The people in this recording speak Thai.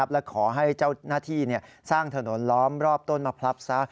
และขอให้เจ้าหน้าที่สร้างถนนล้อมรอบต้นมะพลับซะ